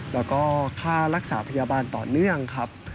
แล้วก็ค่ารักษาพยาบาลต่อเนื่องครับ